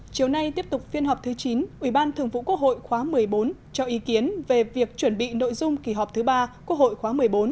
chiều nay tiếp tục phiên họp thứ chín ủy ban thường vụ quốc hội khóa một mươi bốn cho ý kiến về việc chuẩn bị nội dung kỳ họp thứ ba quốc hội khóa một mươi bốn